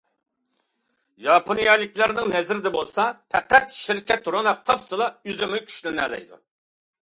ياپونىيەلىكلەرنىڭ نەزىرىدە بولسا پەقەت شىركەت روناق تاپسىلا ئۆزىمۇ كۈچلىنەلەيدۇ.